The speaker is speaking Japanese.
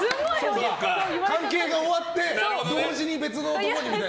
関係が終わって同時に別のほうにみたいな。